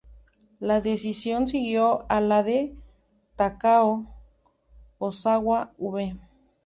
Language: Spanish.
La decisión siguió a la de Takao Ozawa v.